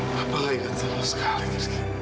pakai gak inget kamu sekali gigi